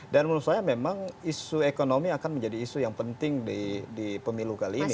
dan menurut saya memang isu ekonomi akan menjadi isu yang penting di pemilu kali ini ya